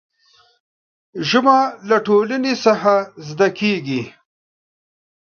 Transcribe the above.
ژبه له ټولنې څخه زده کېږي.